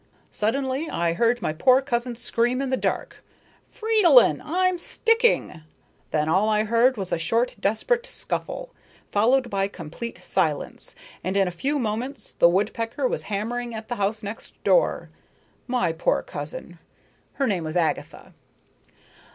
"Suddenly I heard my poor cousin scream in the dark: 'Fridolin, I'm sticking!' Then all I heard was a short desperate scuffle, followed by complete silence, and in a few moments the woodpecker was hammering at the house next door. My poor cousin! Her name was Agatha."